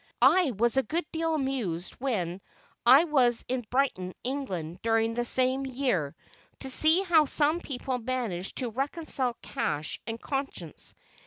I was a good deal amused when I was in Brighton, England, during the same year, to see how some people manage to reconcile cash and conscience.